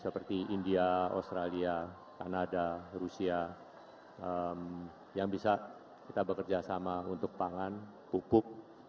seperti india australia kanada rusia yang bisa kita bekerja sama untuk pangan pupuk